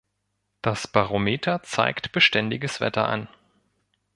Das Barometer zeigt beständiges Wetter an.